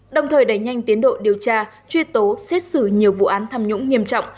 đồng thời đẩy nhanh tiến độ điều tra truy tố xét xử nhiều vụ án tham nhũng nghiêm trọng